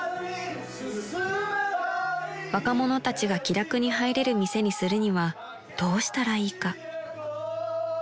［若者たちが気楽に入れる店にするにはどうしたらいいか］